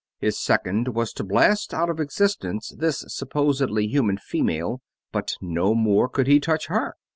His second was to blast out of existence this supposedly human female, but no more could he touch her.